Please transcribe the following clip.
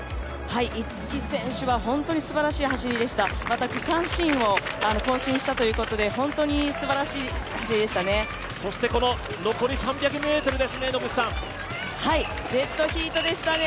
逸木選手は本当にすばらしい走りでしたまた、区間新を更新したということで、本当にすばらしい走りでしたね。